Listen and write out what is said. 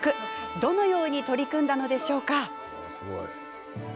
どのように取り組んだのでしょうか。